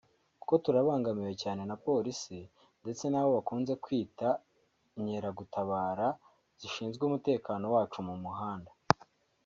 kuko turabangamiwe cyane na Polisi ndetse nabo bakunze kwita inkeragutabara zishinzwe umutekano wacu mu muhanda